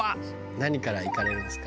「何からいかれるんですか？」